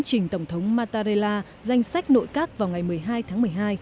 trình tổng thống mattarella danh sách nội các vào ngày một mươi hai tháng một mươi hai